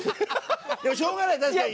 しょうがない確かに。